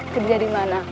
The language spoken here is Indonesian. kerja di mana